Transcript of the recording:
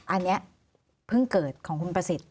อันนี้เพิ่งเกิดของคุณประสิทธิ